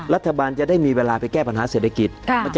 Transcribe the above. รัฐบาลจะได้มีเวลาไปแก้ปัญหาเศรษฐกิจ